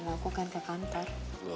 aku kan ke kantor